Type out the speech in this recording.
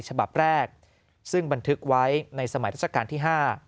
ฉบับแรกซึ่งบันทึกไว้ในสมัยรัชกาลที่๕